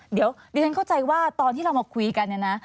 เดี๋ยวดิฉันเข้าใจว่าตอนที่เรามาคุยกันเนี่ยนะ